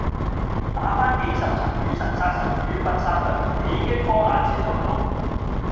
打番幾十層遇神殺神、遇佛殺佛，幾經波瀾先做到